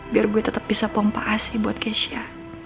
biar gue tetep bisa pompa asli buat keisha